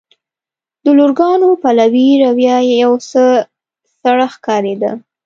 د لوکارنو پلوي رویه یو څه سړه ښکارېده.